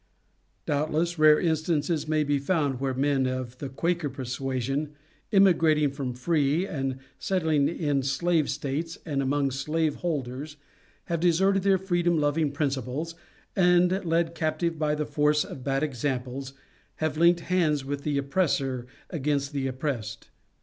Doubtless rare instances may be found where men of the Quaker persuasion, emigrating from free and settling in slave States and among slaveholders, have deserted their freedom loving principle and led captive by the force of bad examples, have linked hands with the oppressor against the oppressed.